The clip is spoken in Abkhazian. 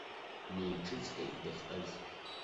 Неиҿыҵҟьеит дахьтәаз.